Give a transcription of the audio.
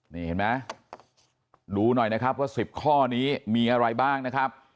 นี่เห็นไหมดูหน่อยนะครับว่า๑๐ข้อนี้มีอะไรบ้างนะครับ